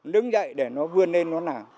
đứng dạy để nó vươn lên nó nào